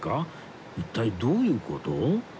一体どういう事？